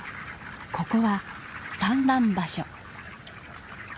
ここは産卵場所。